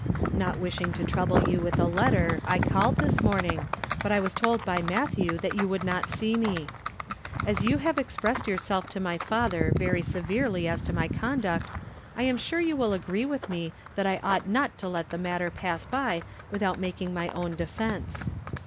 Not wishing to trouble you with a letter I called this morning, but I was told by Matthew that you would not see me. As you have expressed yourself to my father very severely as to my conduct, I am sure you will agree with me that I ought not to let the matter pass by without making my own defence.